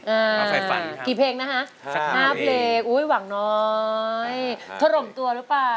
เอาไฟฟันค่ะสัก๕เพลงอุ๊ยหวังน้อยทะลมตัวหรือเปล่า